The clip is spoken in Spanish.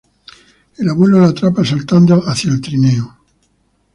El Abuelo lo atrapa, saltando hacia el trineo.